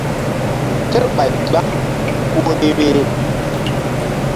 Kerɓay gbam ku vbe-vbeh.